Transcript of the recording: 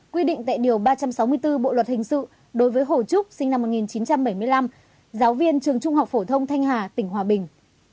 quy định tại điều ba trăm sáu mươi bốn bộ luật hình sự đối với hồ trúc sinh năm một nghìn chín trăm bảy mươi năm giáo viên trường trung học phổ thông thanh hà tỉnh hòa bình